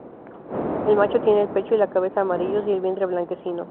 El macho tiene el pecho y la cabeza amarillos; y el vientre blanquecino.